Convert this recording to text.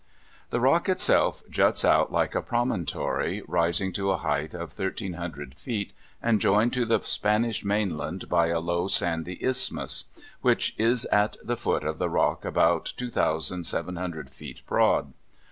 The Rock itself juts out like a promontory, rising to a height of 1,300 feet, and joined to the Spanish mainland by a low sandy isthmus, which is at the foot of the Rock about 2,700 feet broad.